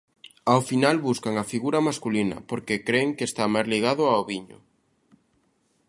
Ao final buscan a figura masculina, porque cren que está máis ligada ao viño.